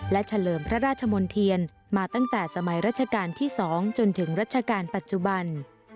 และเฉลิมพระราชมนเทียนมาตั้งแต่สมัยราชการที่๒จนถึงรัชกาลปัจจุบัน